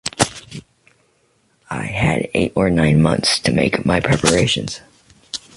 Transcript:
I had eight or nine months to make my preparations.